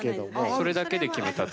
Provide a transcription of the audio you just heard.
それだけで決めたって。